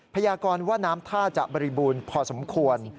พยากรว่าน้ำท่าจะบริบูรณ์พอสมควร